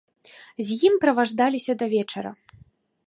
З ім праваждаліся да вечара.